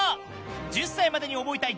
「１０才までに覚えたい」